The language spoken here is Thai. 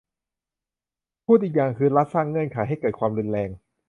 พูดอีกอย่างคือ รัฐสร้างเงื่อนไขให้เกิดความรุนแรง